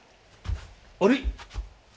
あれ？